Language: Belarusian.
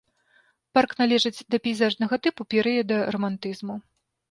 Парк належыць да пейзажнага тыпу перыяда рамантызму.